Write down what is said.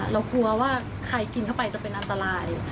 เรากลัวว่าใครกินเข้าไปจะเป็นอันตราย